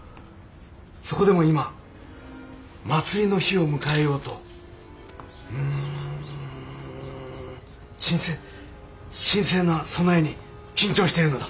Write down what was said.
そこでも今祭りの日を迎えようとうん神聖神聖なそなえに緊張してるのだ。